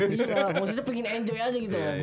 iya maksudnya pengen enjoy aja gitu